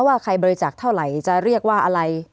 ว่าใครบริจาคเท่าไหร่จะเรียกว่าอะไร